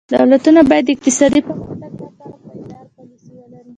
دولتونه باید د اقتصادي پرمختګ لپاره پایداره پالیسي ولري.